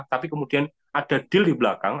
tapi kemudian ada deal di belakang